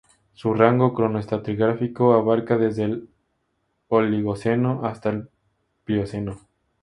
Su rango cronoestratigráfico abarca desde el Oligoceno hasta el Plioceno.